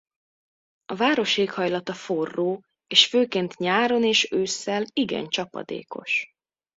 A város éghajlata forró és főként nyáron és ősszel igen csapadékos.